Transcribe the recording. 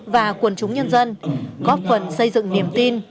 và quần chúng nhân dân góp phần xây dựng niềm tin